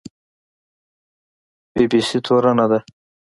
بي بي سي تورنه ده